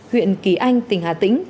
huyện kỳ anh tỉnh hà tĩnh